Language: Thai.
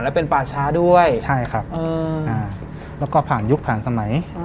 และเป็นป่าช้าด้วยใช่ครับเอออ่าแล้วก็ผ่านยุคผ่านสมัยอืม